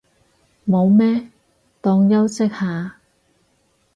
冇咩，當休息下